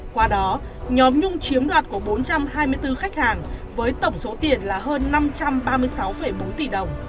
qua đó nhóm nhung chiếm đoạt của bốn trăm hai mươi bốn khách hàng với tổng số tiền là hơn năm trăm ba mươi sáu bốn tỷ đồng